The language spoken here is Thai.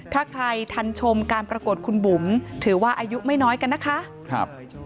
ถ้าใครทันชมการปรากฏคุณบุ๋มถือว่าอายุไม่น้อยกันนะคะ